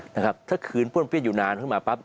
ถ้าคืนป้วนเปรี้ยนอยู่นานขึ้นมาปั๊บ